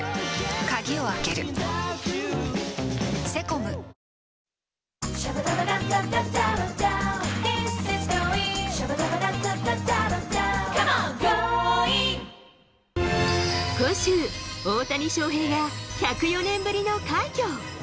この後今週、大谷翔平が１０４年ぶりの快挙。